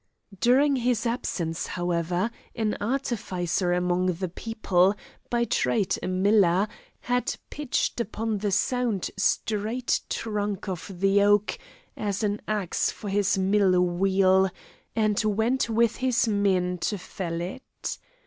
During his absence, however, an artificer among the people, by trade a miller, had pitched upon the sound straight trunk of the oak as an axle for his mill wheel, and went with his men to fell it.